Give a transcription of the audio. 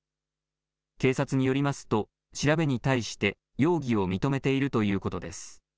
警察によりますと調べに対して容疑を認めているということです。